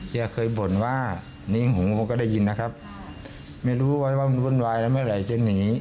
แกเคยบ่นว่านิ่งหูผมก็ได้ยินนะครับไม่รู้ไว้ว่ามันวุ่นวายแล้วเมื่อไหร่จะหนี